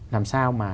làm sao mà